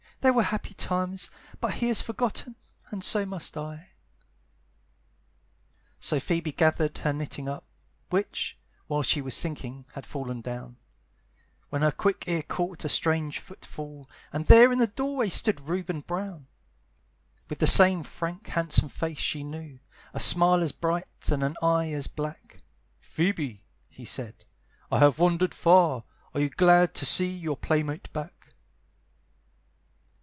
they were happy times, But he has forgotten, and so must I." So Phoebe gathered her knitting up, Which, while she was thinking, had fallen down, When her quick ear caught a strange footfall, And there in the doorway stood Reuben Brown, With the same frank, handsome face she knew, A smile as bright, and an eye as black "Phoebe," he said, "I have wandered far; Are you glad to see your playmate back?"